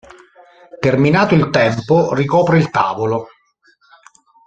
Terminato il tempo, ricopre il tavolo.